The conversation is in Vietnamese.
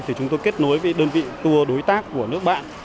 thì chúng tôi kết nối với đơn vị tour đối tác của nước bạn